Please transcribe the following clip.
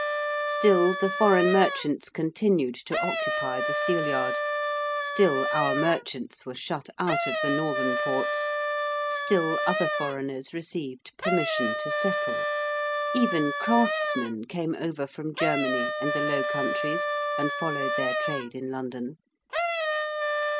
Still the foreign merchants continued to occupy the Steelyard: still our merchants were shut out of the northern ports: still other foreigners received permission to settle: even craftsmen came over from Germany and the Low Countries and followed their trade in London.